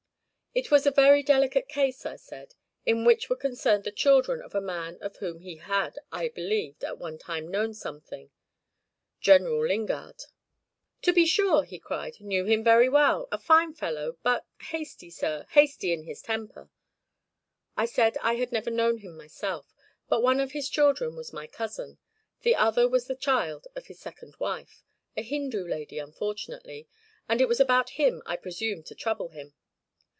It was a very delicate case, I said, in which were concerned the children of a man of whom he had, I believed, at one time known something General Lingard. 'To be sure!' he cried; 'knew him very well; a fine fellow but hasty, sir hasty in his temper!' I said I had never known him myself, but one of his children was my cousin; the other was the child of his second wife, a Hindoo lady unfortunately, and it was about him I presumed to trouble him.